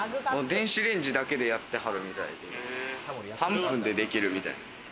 電子レンジだけでやってはるみたいで、３分でできるみたい。